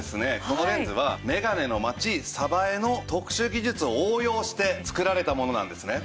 このレンズはメガネの街江の特殊技術を応用して作られたものなんですね。